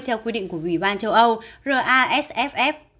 theo quy định của ủy ban châu âu rasff